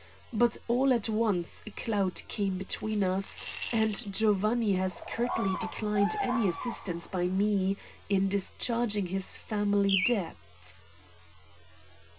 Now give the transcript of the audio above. But all at once a cloud came between us, and Giovanni has curtly declined any assistance by me in discharging his family debt."